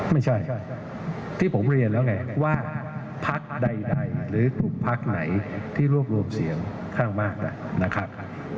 ไม่ใช่ที่ผมเรียนแล้วไงว่าพักใดหรือถูกพักไหนที่รวบรวมเสียงข้างมากแล้วนะครับ